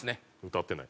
歌ってない。